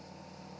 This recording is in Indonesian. nggak ada pakarnya